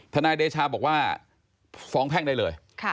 นายเดชาบอกว่าฟ้องแพ่งได้เลย